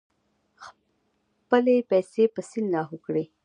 خپلې پیسې په سیند لاهو کړې.